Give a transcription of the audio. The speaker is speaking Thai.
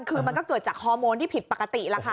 คือมันก็เกิดจากฮอร์โมนที่ผิดปกติล่ะค่ะ